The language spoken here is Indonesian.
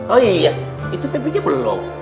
oh iya itu pepi dia belum